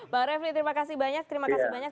bang refli terima kasih banyak terima kasih banyak